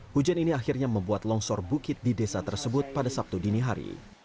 hujan ini akhirnya membuat longsor bukit di desa tersebut pada sabtu dini hari